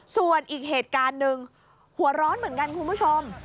ส่วนอีกเหตุการณ์หนึ่งหัวร้อนเหมือนกันคุณผู้ชม